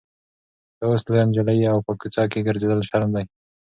ته اوس لویه نجلۍ یې او په کوڅه کې ګرځېدل شرم دی.